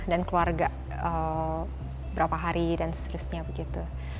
dan keluarga berapa hari dan seterusnya begitu